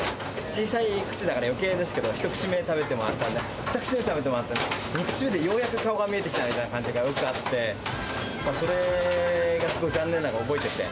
小さい口だからよけいですけど、１口目食べても当たらない、２口目食べても当たらない、３口目でようやく顔が見えてきたみたいなのがよくあって、それがすごい残念なのが覚えてて。